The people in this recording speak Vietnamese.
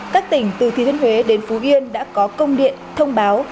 các tỉnh từ thiên huế đến phú yên đã có công điện thông báo